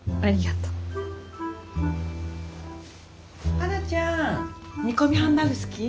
花ちゃん煮込みハンバーグ好き？